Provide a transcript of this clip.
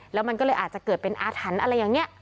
แล้วมันก็เลยอาจจะเกิดเป็นอาถรรพ์อะไรอย่างนี้